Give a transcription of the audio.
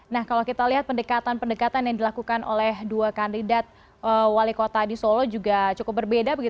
nah kalau kita lihat pendekatan pendekatan yang dilakukan oleh dua kandidat wali kota di solo juga cukup berbeda